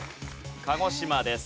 鹿児島です。